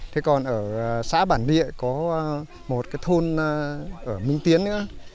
thế còn ở xã bản địa có một cái thôn ở minh tiến nữa